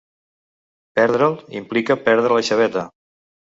Perdre'l implica perdre la xaveta.